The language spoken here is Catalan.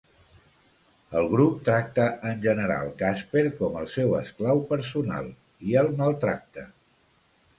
El grup tracta en general Casper com el seu esclau personal i el maltracta.